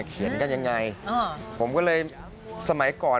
เขียนกันยังไงผมก็เลยสมัยก่อน